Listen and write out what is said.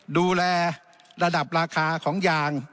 ดูแลระดับราคาของยาง